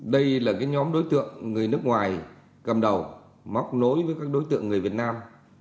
đây là nhóm đối tượng người nước ngoài cầm đầu móc nối với các đối tượng người việt nam